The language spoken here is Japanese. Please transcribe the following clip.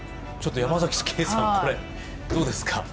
山崎ケイさん、これどうですか？